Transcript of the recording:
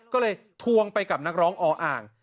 ก็เลยทวงไปกับนักร้องออ่าง